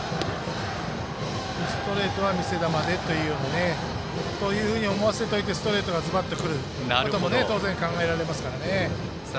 ストレートは見せ球でというふうに思わせてストレートがズバッとくるのも当然、考えられますからね。